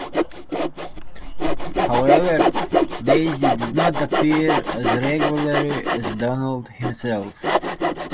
However, Daisy did not appear as regularly as Donald himself.